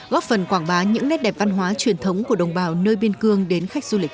góp phần quảng bá những nét đẹp văn hóa truyền thống của đồng bào nơi biên cương đến khách du lịch